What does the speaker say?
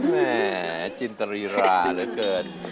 แม่จินตรีราเหลือเกิน